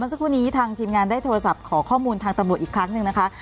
สักครู่นี้ทางทีมงานได้โทรศัพท์ขอข้อมูลทางตำรวจอีกครั้งหนึ่งนะคะ